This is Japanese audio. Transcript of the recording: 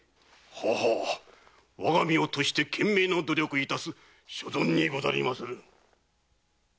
ははっ我が身を賭して懸命の努力を致す所存にござりまする。